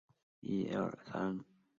林邦桢之子。